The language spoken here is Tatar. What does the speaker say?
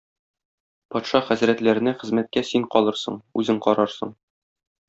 Патша хәзрәтләренә хезмәткә син калырсың, үзең карарсың.